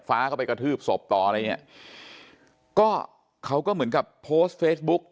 ฟ้าก็ไปกระทืบศพต่ออะไรอย่างเงี้ยก็เขาก็เหมือนกับโพสต์เฟซบุ๊ก